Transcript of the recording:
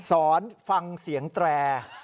สอนฟังเสียงแตร